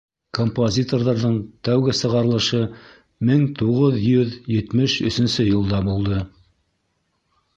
Композиторҙарҙың тәүге сығарылышы мең туғыҙ йөҙ етмеш өсөнсө йылда булды.